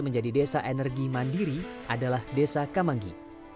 menjadi desa energi mandiri adalah desa kamanggi